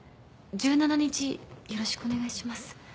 １７日よろしくお願いします。